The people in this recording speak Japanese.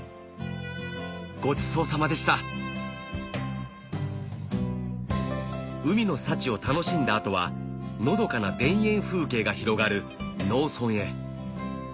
ごちそうさまでした海の幸を楽しんだ後はのどかな田園風景が広がる農村へ